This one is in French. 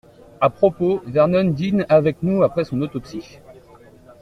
À propos, Vernon dîne avec nous après son autopsie.